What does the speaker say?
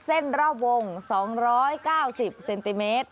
เส้นรอบวง๒๙๐เซนติเมตร